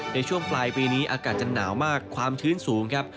ในช่วงปลายปีนี้อากาศจะหนาวมากความชื้นสูงครับ